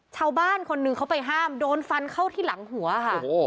ชาวบ้านคนหนึ่งเขาไปห้ามโดนฟันเข้าที่หลังหัวค่ะ